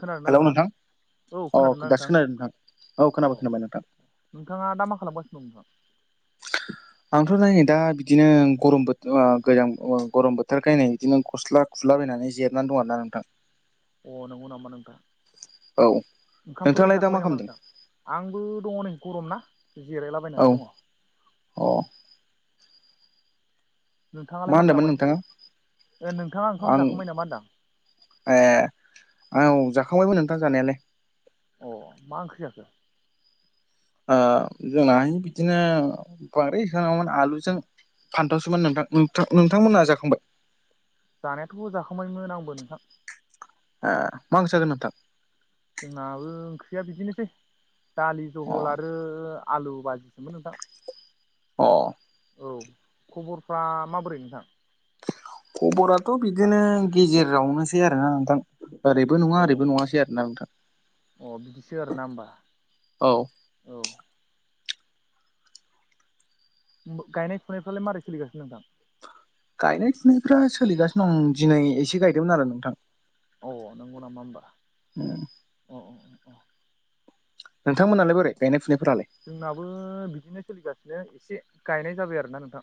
खोनादोंना नोंथां? औ अ खोनादोंना दासो नोंथां, खोनादों औ खोनाबाय अ खोनाबाय नोंथां नोंथाङा दा मा खालामगासिनो दं नोंथां? आंथ' नायनाय दा बिदिनो गरम बोथोर गोजां गरम बोथोर खाय नै बिदिनो गस्ला खुला बायनाय नानै जिरनानै दं आरो ना नोंथां। अ नंगौ नामा नोंथां। औ ओंखामफोर नोंथाङालाय दा जाखांबाय मा नामा खालामदों नोंथां? आंबो दङ नै गरम ना। औ जिरायलाबायनानै दङ। अ औ। नोंथाङालाय मा होनदोंमोन खालामगासिनो नोंथाङा दायो? नोंथाङा ओंखाम आं जाखाबाय नामा होनदां आं। ए औ जाखांबायमोन नोंथां जानायालाय। अ मा ओंख्रि जाखो? ओ जोंनाहाय बिदिनो [unintelligible] आलुजों। फानथावसोमोन नोंथां, नोंथां नोंथांमोनहा जाखांबाय? जानायाथ' जाखांबायमोन आंबो नोंथां। ए, मा ओंख्रि जाखो नोंथां? जोंनाबो ओंख्रिया बिदिनोसै, दालि अ जहल आरो आलु बाजिसोमोन नोंथां। अ। औ। खबरफ्रा माबोरै नोंथां? खबराथ' बिदिनो गेजेरावनोसै आरोना नोंथां। ओरैबो नङा अ ओरैबो नङासै आरो ना नोंथां। अ बिदिसो आरो ना होनोमबा। औ औ। गायनाय फुनायफ्रालाय मारै सोलिगासिनो नोंथां? गायनाय फुनायफ्रा सोलिगासिनो दं, दिनै एसे गायदोंमोन आरो नोंथां। अ नोंगौ नामा होमबा। उम। अ अ अ नोंथांमोनहालाय बोरै गायनाय फुनाय? जोंनाबो बिदिनो सोलिगासिनो एसे गायनाय जाबाय आरोना नोंथां।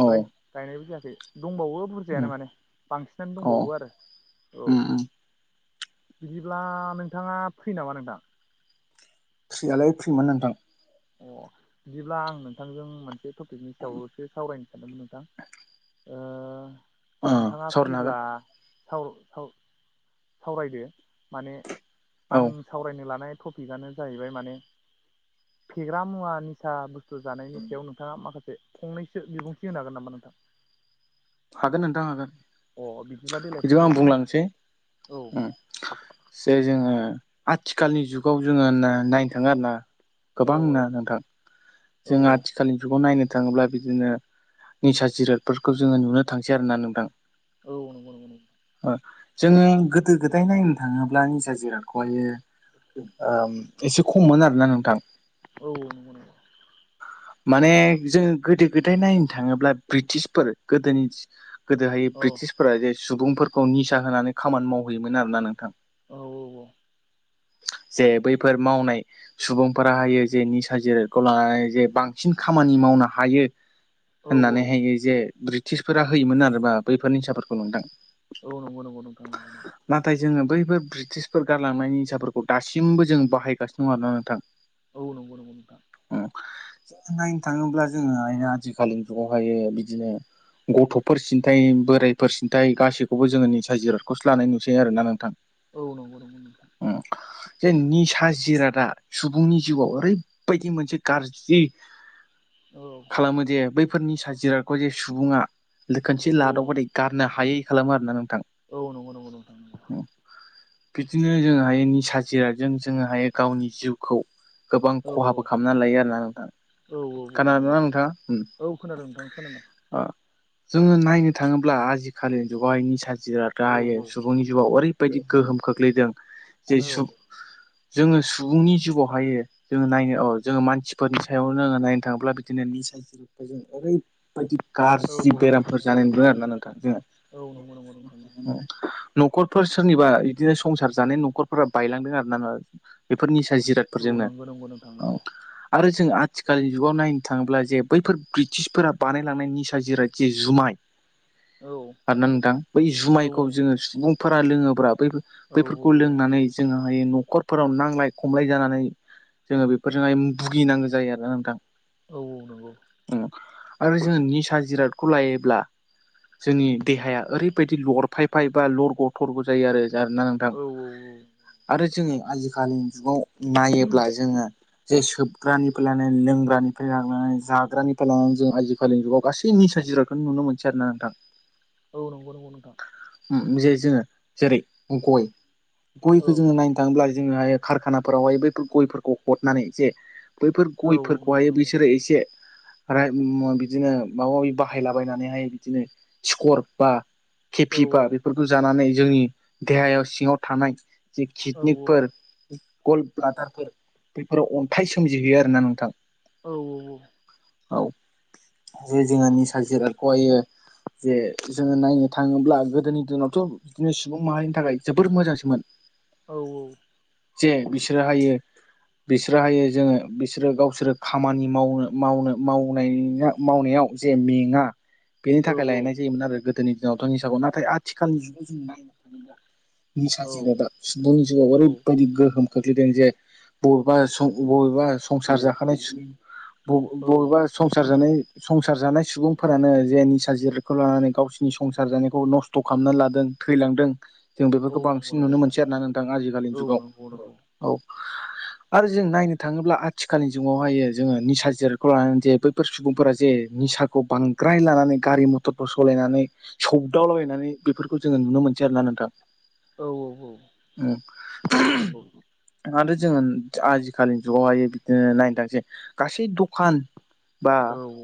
औ गायनायबो जायाखै। दंबावो बुरजायानो माने बांसिनानो औ दंबावो आरो औ। बिदिब्ला नोंथाङा फ्रि नामा नोंथां? फ्रियालाय फ्रिमोन नोंथां। अ बिदिब्ला आं नोंथांजों मोनसे टपिकनि सायावसो सावरायनो सानदोंमोन नोंथां। ओ ओ नोंथाङा सावरायनो हागोन फ्रिब्ला साव‌ साव सावरायदो माने औ आं सावरायनो लानाय टपिकआनो जाहैबाय माने फेग्रा मुवा निसा बुस स्थु जानायनि सायाव नोंथाङा माखासे फंनैसो बिबुंथि होनो हागोन नामा नोंथां? हागोन नोंथां हागोन। अ बिदिब्ला देलाय बिदिबा आं फंनैसो बुंलाय बुंलांसै औ उम जे जोङो आथिखालनि जुगाव जोङो नायनो थाङो आरो ना औ गोबां नो नोंथां। औ जोंङो आथिखालनि जुगाव नायनो थाङोब्ला बिदिनो निसा जिरादफोरखौ जोङो नुनो थांसै आरो ना नोंथां। औ नंगौ नंगौ नंगौ ओ जोङो गोदो गोदाय नायनो थाङोब्ला निजा जिरादखौहायो ओम एसे खममोन आरोना नोंथां। औ नंगौ नंगौ। माने जोङो गोदो गोदाय नायनो थाङोब्ला ब्रिटिसफोर गोदोनि गोदोहाय औ ब्रिटिसफोरा जे सुबुंफोरखौ निसा होनानै खामानि मावहोयोमोन आरोना नोंथां। औ औ औ। जे बैफोर मावनाय सुबुंफोरा हायो जे निसा जिराद खौ लानानै जे बांसिन खामानि मावनो हायो औ होननानैहायो जे ब्रिटिसफोरा होयोमोन आरो बा बैफोर निसाफोरखौ नोंथां। औ नोंगौं नोंगौं नोंथां नाथाय जोङो बैबो ब्रिटिशफोर गारलांनायनि निसाफोरखौ दासिमबो जों बाहायगासिनो दं आरोना नोंथां। औ नोंगौ नोंगौ नोंथां नायनो थाङोब्ला जोङोआय आथिखालिनि जुगावहायो बिदिनो। गथफोर सिन्थाय बोराइफोर सिन्थाय गासैखौबो जोङो निसा जिरादखौसो लानाय नुसै आरोना नोंथां। औ नोंगौ नोंगौ नोंथां। जे निसा जिरादा सुबुंनि जिउआव ओरैबायदि मोनसे गाज्रि। औ खालामो जे बैफोरनि साजिराखौ जे सुबुङा। खोनसे औ लादावबाथाय गारनो हायै खालामो आरो ना नों औ नोंगौ नोंगौ नोंथां। बिदिनो जोंहाय निसा जिरादजों जोङोहाय गावनि जिउखौ गोबां। गोबां औ खहाबो खालामनानै लायो आरोना नोंथां। औ औ नंगौ खानादों नंगौ ना नोंथां उम औ खोनादों नोंथां खोनादों आ जोङो नायनो थाङोब्ला आजिखालिनि जुगावहाय निसा जिरादा औ आयो सुबुंनि जिउआव ओरै बायदि गोहोम खोख्लैदों जे औ सुबुं जोङो सुबुंनि जिउआवहायो। जोङो नायनो औ जोङो मानसिफोरनि सायावनो जोङो नायनो थाङोब्ला बिदिनो निसा जिरादखौ जों ओरै। बायदि गाज्रि औ औ बेरामफोर जानाय नुदों आरोना नोंथां जोङो। औ नंगौ नंगौ नोंथां नखरफोर सोरनिबा इदिनो संसार जानाय नखरफोरा बायलांदों आरो ना बेफोर निसा औ जिरादफोरजोंनो। नंगौ नंगौ नोंथां नांगौ। आरो जों आथिखालनि जुगाव नायनो थाङोब्ला जे बैफोर ब्रिटिशफोरा बानायलांनाय निसा जिराद जि जुमाय। औ आरोना ना नोंथां बै औ जुमायखौ औ जोङो सुबुंफोरा लोङोब। बैफोर औ बैफोरखौ नंगौ लोंनानै जोङोहायो नखरफोराव नांलाय खमलाय जानानै। जोङो बेफोरजोंहाय भुगिनांगो जायो आरो ना नोंथां औ औ नोंगौ आरो जों निसा जिरादखौ लायोब्ला। जोंनि देहाया ओरैबायदि लरफायफाय बा लरग' थरग' जायो आरो जारो ना नोंथां औ आरो जोङि आजिखालि जुगाव ब्लाय जोङो जे सोबग्रानिफ्राय लानानै लोंग्रानिफ्राय लानानै जाग्रानिफ्राय लानानै जों आजिखालिनि जुगाव गासै निसा जिरायखौनो नुनो मोनसै आरो ना नोंथां। औ नोंगौ नोंगौ नोंथां। उम जे जोङो जेरै गय औ गयखौ जोङो नायनो थाङोब्ला जोङोहाय खारखानाफोरावहाय बैफोर गयफोरखौ हरनानै जे बैफोर औ नंगौ गयफोरखौहाय नंगौ बिसोरो एसे रायट मुवा बिदिनो माबा माबि बाहायला बायनानैहाय बिदिनो। सिकर बा औ केेपिबा बेफोरखौ जानानै जोंनि देहायाव सिङाव थानाय जि औ किटनिकफोर गल ब्लादारफोर बेफोराव अन्थाइ सोमजिहोयो आरोना नोंथां। औ औ औ। औ जि जोङो निसा जिराद गयो [unintelligible] जे जोङो नायनो थाङोब्ला गोदोनि दिनावथ' बिदिनो सुबुं माहारिनि थाखाय जोबोर मोजांसोमोन। औ औ। जे बिसोरो हायो बिसोर हायो जोङो बिसोरो गावसोरो खामानि मावनो मावनो मावनाया मावनायाव आव जे मेङा बेनि औ थाखाय लायनाय जायोमोन आरो गोदोनि दिनावथ' निसाखौ नाथाय आथिखालनि जुगाव जों नायनो थाङोब्ला निसा जिरादा सुबुंनि जिउआव ओरैबायदि गोहोम खोख्लैदों जे बबेबा सं बबेबा संसार जाखानाय सुबुं बबे बबेबा संसार जानाय संसार जानाय सुबुंफोरानो जेनि जिरखौ लानानै गावसिनि संसार जानायखौ नस्थ' खालामनानै लादों थैलांदों जों बेफोरखौ औ औ नंगौ बांसिन नुनो नोंथां मोनसै आरो ना नोंथां आजिखालिनि औ नंगौ औ नंगौ औ नंगौ औ नंगौ नोंथां औ नंगौ औ जुगाव। औ [inaudible] आरो जों नायनो थाङोब्ला आथिखालनि जुगावहायो जोङो निसा जिरादखौ लानानै जे बैफोर सुबुंफोरा जे निसाखौ बांद्राय लानानै गारि मटरफोर सालायनानै सौदावलाबायनानै बेफोरखौ जोङो नुनो मोनो। बिदि आरोना नोंथां औ नंगौ नंगौ ओम। आरो जोङो आजिखालिनि जुगावहाय बिदिनो नायनो थांसै गासै दखान बा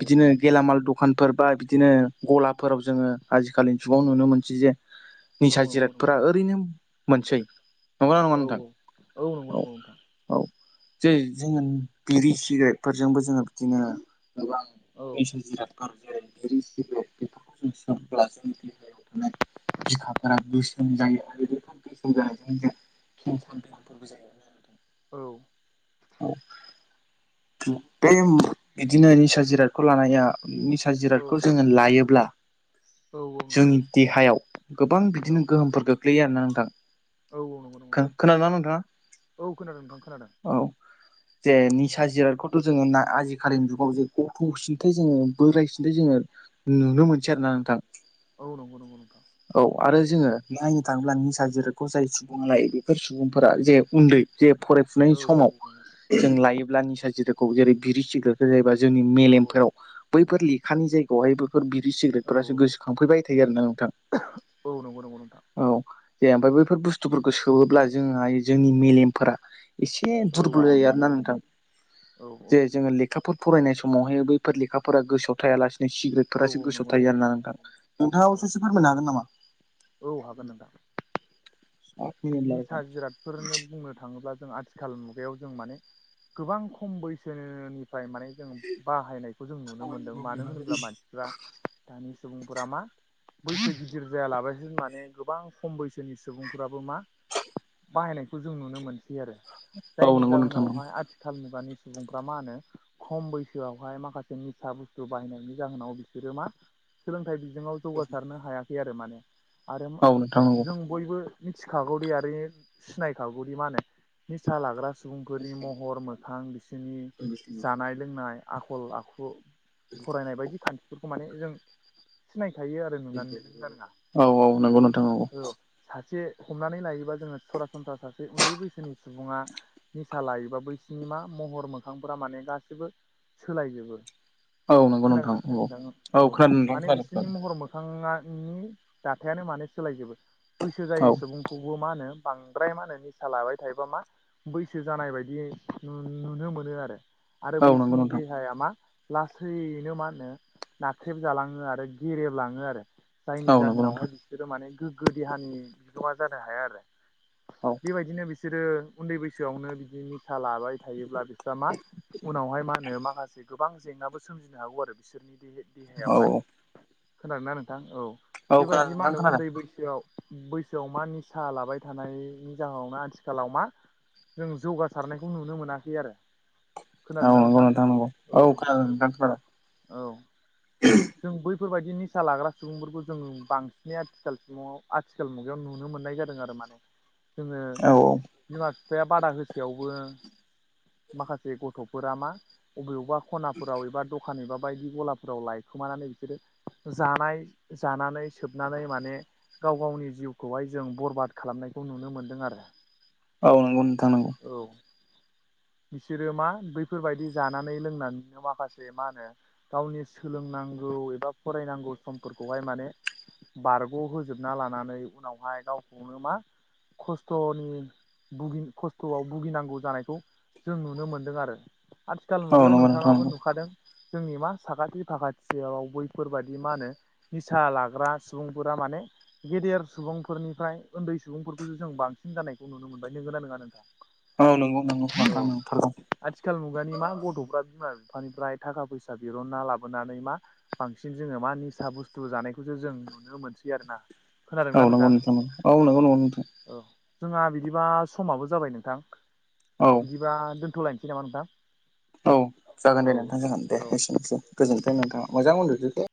बिदिनो गेलामाल द दखानफोर बा बिदिनो गलाफोराव जोङो आजिखालि जुगाव नुनो मोनसै जे निसा जिरादफोरा ओरैनो मोनसै नंगौना नङा औ औ नोंथां औ नंगौ नंगौ नोंथां‌। जै जोङो बिरि सिग्रेटफोरजोंबो जोङो बिदिनो गोबां मसन जिरादफोर जेरै [unintelligible] सोबब्ला जोंनि देहायाव थानाय बिखाफोरा बोसोन जायो आरो [unintelligible] औ। औ। बे बिदिनो निसा जिरादखौ लानाया निसा जिरादखौ जोङो लायोब्ला जोंनि देहायाव गोबां बिदिनो गोहोमफोर गोग्लैयो आरो ना नोंथां। खो नोंथां खोनादों ना नोंथाङा औ खोनादों नोंथां खोनादों औ जे नि सा जिरादखौथ' जोङो ना आजिखालिनि जुगाव जे गथ' सिनथाय जोङो बोराय सिन्थाय जोङो नु नुनो मोनसै आरो ना नोंथां। औ नंगौ नंगौ नंगौ नोंथां। औ आरो जोङो नायनो थाङोब्ला निसा जिरोदखौ जाय सुबुङा लायो बेफोर सुबुंफोरा जे उन्दै जे फरायफुनाय औ समाव नंगौ जों लायोब्ला निसाजिराखौ जेरै बिरि सिग्रेदखो जायोबा जोंनि औ मेलेमफोराव औ बैफोर लेखानि जायगायावहायबो बेफोर बिरि औ सिगारेटफोरासो औ गोसोखांफैबाय थायो आरो ना नोंथां औ नंगौ नंगौ नोंथां औ जे ओमफ्राय बैफोर बुस्थुफोरखौ सोबोब्ला जों हायो जोंनि मेलेमफोरा एसे औ दुरबल नंगौ जायो आरोना नंगौ नोंथां, औ जे जोङो लेखा फोर फरायनाय समावहाय बैफोर लेखाफोरा गोसोआव थायालासे औ सिग्रेटफोरा सो औ गोसोआव नंगौ थायो नंगौ आर नोंथां। नंगौ नंगौ नोंथाङाबो एसे फोरमनो हागोन नामा? औ हागोन नोंथां। औ निसा जिरादफोरनो बुंनो थाङोब्ला जों आथिखाल मुगायाव जों माने गोबां खम बैसोनि फ्राय माने जों बाहायनायखौ जों नुनो मोनदों मानो होनोब्ला मानसिफ्रा दानि सुबुंफोरा मा बैसो गिदिर जायालाबायसो माने गोबां खम बैसोनि सुबुंफोराबो मा बाहायनायखौ जों नुनो मोनसै आरो जायनि नंगौ नोंथां जाहोनावहाय नंगौ आथिखाल मुगानि सुबुंफ्रा मा होनो खम बैसोआवहाय माखासे निसा बुस्थु बाहायनायनि जाहोनाव बिसोरो मा सोलोंथाइ बि थिङाव जौगारनो हायाखै आरो माने आरो औ नोंथां नंगौ जों बयबो मि खागौरि आरो सिनाय खागौदि मा होनो निसा लाग्रा सुबुंफोरनि महर मोखां बिसोरनि जानाय लोंनाय आखल आखु फरायनाय बायदि खान्थिफोरखौ माने जों सिनाय औ औ नंगौ नोंथां नंगौ औ सासे हमनानै लायोबा जोङो सरासनस्रा सासे उन्दै बैसोनि सुबुङा निसा लायोबा बैसनि मा महर मोखांफोरा माने गासिबो सोलायजोबो औ नंगौ नोंथां खोनागोना नंगौ खोनायाखै आ औ खोनादों नोंथां माने खोनादों बिसोरनि खोनादों महर मोखाङा नि दाथायानो मान सोलायजोबो बैसो औ जायो खौबो मा होनो बांद्राय मा होनो निसा लाबाय थायोबा मा बैसो जानाय बायदि नुनो नुनो मोनो आरो आरो औ नंगौ बैसिनि नोंथां देहाया मा लासैनो मा होनो नाख्रेबजालाङो आरो गेरेबलाङो आरो जायनि औ नंगौ जाहोनावहाय नोंथां बिसोरो माने गोग्गो देहानि बिगोमा जानो हाया आरो। औ बेबायदिनो बिसोरो उन्दै बैसोआवनो बिदि निसा लाबाय थायोब्ला बिस्रा मा उनावहाय मा होनो मा माखासे गोबां जेंनाबो सोमजिनो हागौ आरो बिसोरनि औ औ देहायावहाय खोनादोंन ना नोंथां औ औ बेबायदि खोनादों मा नोंथां होनो खोनादों उन्दै बैसोआव बै सोआव मा निसा लाबाय थानायनि जाहोनावनो आथिखालाव मा जों जौगासारनायखौ नुनो मोनाखै आरो औ नंगौ नोंथां नंगौ औ खोनादों नोंथां औ खोनादों जों बैफोरबायदि निसा लाग्रा सुबुंफोरखौ जों बांसिनै आथिखाल आथिखाल मुगायाव नुनो मो ननाय जादों आरो माने जोङो औ बिमा बिफाया बादा होसेयावबो माखासे गथ'फोरा मा बबेयावबा ख'नाफोराव एबा दखान एबा बायदि गलाफोराव लाय खोमानानै बिसोरो जानाय जानानै सोबनानै माने गाव गावनि जिउखौहाय जों बरबाद खालामनायखौ नुनो मोन्दों आरो औ नोंगौ नोंथां नोंगौ [inaudible] बिसोरो मा बैफोरबायादि जानानै लोंनानैनो माखासे मा होनो गावनि सोलोंनांगौ एबा फरायनांगौ समफोरखौहाय माने बारग' होजोबना लानानै उनावहाय गावखौनो मा खस्थ'नि खस्थ'आव भुगिनांगौ जानायखौ जों नुनो मोनदों आरो आथिखाल औ मुगायाव नंगौ नोंथां नोंथाङाबो नंगौ नुखादों जोंनि मा साखाथि साखाथियाव बैफोरबायाददि मा होनो निसा लाग्रा सुबुंफोरा माने गेदेर सुबुं सुबुंफोरनिफ्राय उन्दै सुबुंफोरखौसो जों बांसिन जानायखौ नुनो मोनबाय नंगौना नङा नोंथां? औ नंगौ नंगौ नोंथां औ नंथारगौ आथिखाल मुगानि मा गथ'फ्रा बिमा बि बिफानिफ्राय थाखा फैसा बिहना ला लाबोनानै मा बांसिन जोङो मा निसा बुस्थु जानायखौसो जों नुनो मोनसै आरो ना औ नांगौ नोंथां ङ नांगौ नोंथां औ जोंहा बिदिबा समाबो जाबाय नोंथां औ बिदिबा दोन्थ'लायनोसै नामा नोंथां औ जागोन औ दे नोंथां जागोन दे औ एसेनोसै गोजोनथों नोंथाङा मोजां उन्दुदो दे